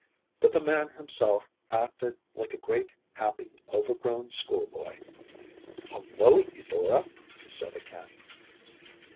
But the man himself acted like a great happy overgrown school boy. “Hullo, Eudora,‚ÄĚ he said again.